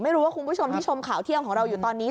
ไม่รู้ว่าคุณผู้ชมที่ชมข่าวเที่ยมของเราอยู่ตอนนี้